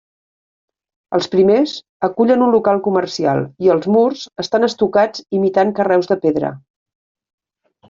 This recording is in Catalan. Els primers acullen un local comercial i els murs estan estucats imitant carreus de pedra.